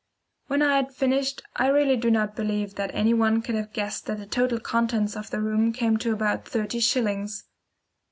When I had finished I really do not believe that any one could have guessed that the total contents of that room came to about thirty shillings.